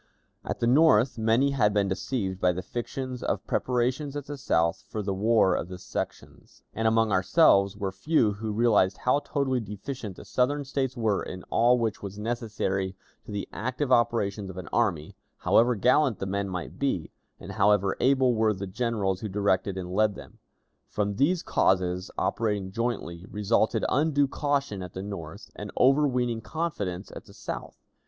At the North many had been deceived by the fictions of preparations at the South for the war of the sections, and among ourselves were few who realized how totally deficient the Southern States were in all which was necessary to the active operations of an army, however gallant the men might be, and however able were the generals who directed and led them. From these causes, operating jointly, resulted undue caution at the North and overweening confidence at the South.